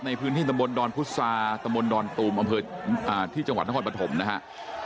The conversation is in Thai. ในพื้นที่ตำบลดอนพุษาตำบลดอนตูมอำเภอที่จังหวัดนครปฐมนะครับ